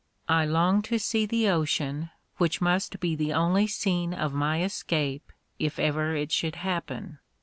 I longed to see the ocean, which must be the only scene of my escape, if ever it should happen.